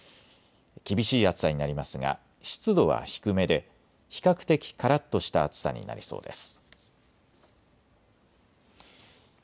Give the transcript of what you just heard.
厳しい暑さになりますが湿度は低めで比較的からっとした暑さになりそうです。